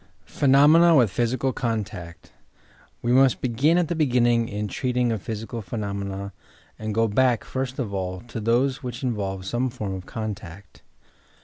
PHENOMENA WITH PHYSICAL CONTACT We must begin at the beginning in treating of physi cal phenomena, and go back, first of all, to those which involve some form of contact.